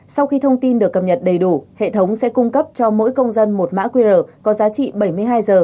sau khi thông tin được cập nhật đầy đủ hệ thống sẽ cung cấp cho mỗi công dân một mã qr có giá trị bảy mươi hai giờ